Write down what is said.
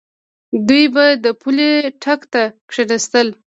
دوی به د پولۍ ټک ته کېناستل.